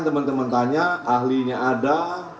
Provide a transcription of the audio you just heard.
teman teman tanya ahlinya ada